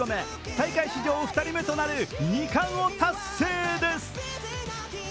大会史上２人目となる２冠を達成です！